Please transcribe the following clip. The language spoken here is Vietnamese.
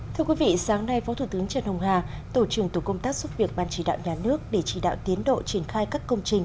thưa quý vị sáng nay phó thủ tướng trần hồng hà tổ trưởng tổ công tác xuất việc ban chỉ đạo nhà nước để chỉ đạo tiến độ triển khai các công trình